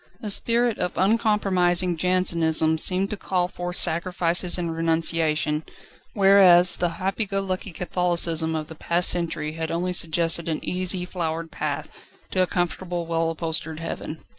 A spirit of uncompromising Jansenism seemed to call forth sacrifices and renunciation, whereas the happy go lucky Catholicism of the past century had only suggested an easy, flowered path, to a comfortable, well upholstered heaven.